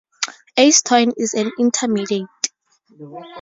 Acetoin is an intermediate.